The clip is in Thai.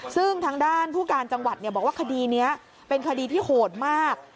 ซึ่งทางด้านผู้การจังหวัดบอกว่าคดีนี้เป็นคดีที่โหดมาก